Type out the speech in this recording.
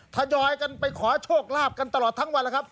ทยอยกันไปขอโชคลาภกันตลอดทั้งวันแล้วครับ